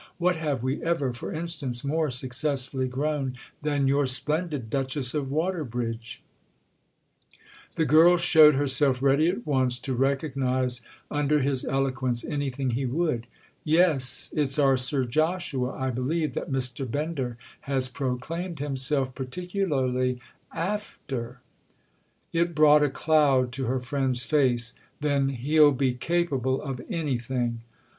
What have we ever for instance more successfully grown than your splendid 'Duchess of Waterbridge'?" The girl showed herself ready at once to recognise under his eloquence anything he would. "Yes—it's our Sir Joshua, I believe, that Mr. Bender has proclaimed himself particularly 'after.'" It brought a cloud to her friend's face. "Then he'll be capable of anything."